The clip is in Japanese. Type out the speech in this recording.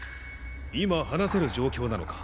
今話せる状況なのか？